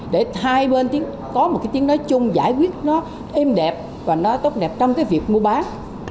để hai bên có một tiếng nói chung giải quyết nó êm đẹp và tốt đẹp trong việc mua bán